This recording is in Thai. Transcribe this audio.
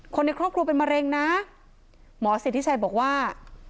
คนในครอบครัวเป็นมะเร็งนะหมอสิทธิชัยบอกว่า